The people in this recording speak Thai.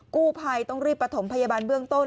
กู้ภัยต้องรีบประถมพยาบาลเบื้องต้น